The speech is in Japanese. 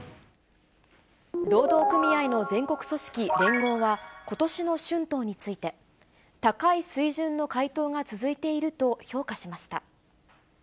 労働組合の全国組織、連合は、ことしの春闘について、高い水準の回答が続いていると評価しました。